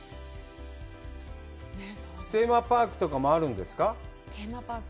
テーマパークとかもあるんですか？